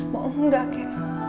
mau enggak ke